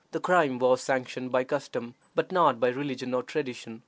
The crime was sanctioned by custom, but not by religion or tradition.